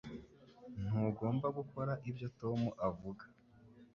Ntugomba gukora ibyo Tom avuga